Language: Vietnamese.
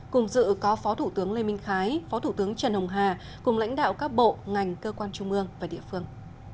cùng dự có phó thủ tướng lê minh khái phó thủ tướng trần hồng hà cùng lãnh đạo các bộ ngành cơ quan trung ương và địa phương